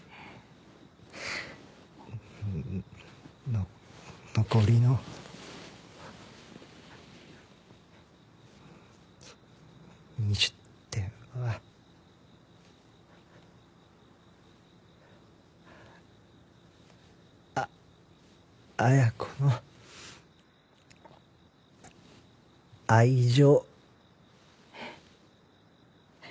の残りの２０点はあ綾子の愛情。